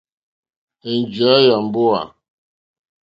Ènjìyá yà mbówà.